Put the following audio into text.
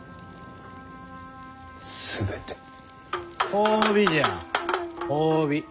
褒美じゃ褒美。